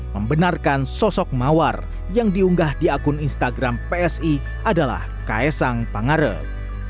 membenarkan sosok mawar yang diunggah di akun instagram psi adalah kaisang pangarep